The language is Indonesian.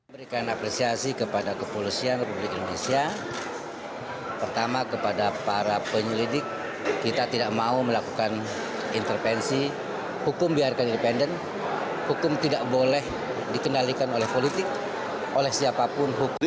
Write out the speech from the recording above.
berikan apresiasi kepada kepolisian republik indonesia pertama kepada para penyelidik kita tidak mau melakukan intervensi hukum biarkan independen hukum tidak boleh dikendalikan oleh politik oleh siapapun hukum